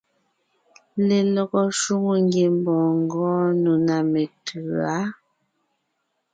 Lelɔgɔ shwòŋo ngiembɔɔn ngɔɔn nò ná metʉ̌a.